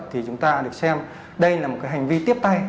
thì chúng ta được xem đây là một cái hành vi tiếp tay